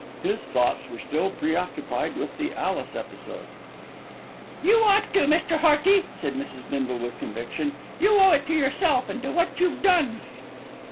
His thoughts were still preoccupied with the Alice episode. "You ought to, Mr. Hearty," said Mrs. Bindle with conviction. "You owe it to yourself and to what you've done."